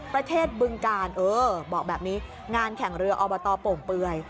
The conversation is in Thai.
ประเทศบึงการเออบอกแบบนี้งานแข่งเรืออปมเปวย